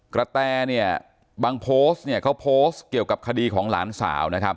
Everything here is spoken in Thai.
กระแตบางโพสต์เขาโพสต์เกี่ยวกับคดีของหลานสาว